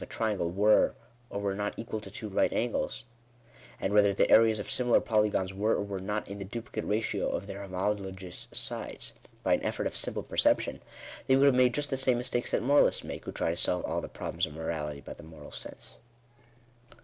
a triangle were, or were not, equal to two right angles, and whether the areas of similar polygons were, or were not, in the duplicate ratio of their homologous sides, by an effort of simple perception, they would have made just the same mistake that moralists make, who try to solve all the problems of morality by the moral sense.